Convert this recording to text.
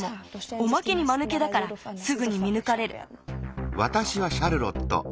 おまけにまぬけだからすぐに見ぬかれる」。